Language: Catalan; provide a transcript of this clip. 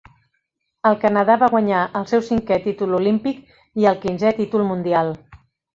El Canadà va guanyar el seu cinquè títol olímpic i el quinzè títol mundial.